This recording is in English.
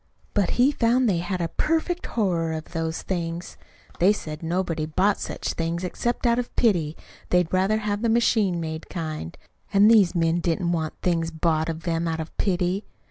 But he found they had a perfect horror of those things. They said nobody bought such things except out of pity they'd rather have the machine made kind. And these men didn't want things bought of them out of pity.